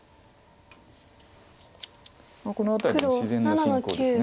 この辺りも自然な進行です。